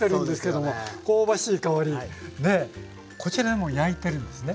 こちらでもう焼いてるんですね？